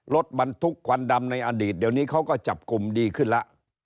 รถบรรทุกควันดำในอดีตเดี๋ยวนี้เขาก็จับกลุ่มดีขึ้นแล้ว